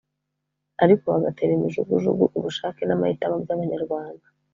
ariko bagatera imijugujugu ubushake n’amahitamo by’Abanyarwanda